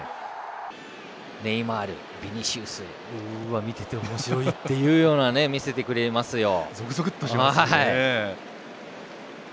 ネイマール、ヴィニシウス見ていておもしろいって感じで見せてくれますよ。